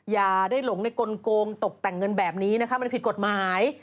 อย่าได้หลงในกลงตกแต่งเงินแบบนี้นะคะมันผิดกฎหมาย